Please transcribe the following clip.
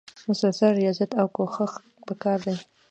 مسلسل ریاضت او کوښښ پکار دی.